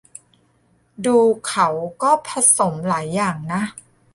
ดูเขาก็ผสมหลายอย่างนะ